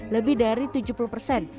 lebih dari tujuh puluh persen